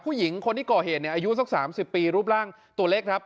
ผู้หญิงคนที่ก่อเหตุอายุสัก๓๐ปีรูปร่างตัวเล็กครับ